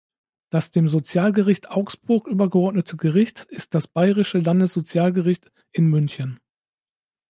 Das dem Sozialgericht Augsburg übergeordnete Gericht ist das Bayerische Landessozialgericht in München.